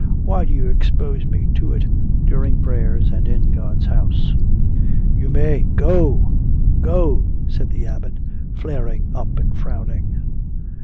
'Why do you expose me to it during prayers and in God's house?' 'You may go! Go!' said the Abbot, flaring up and frowning.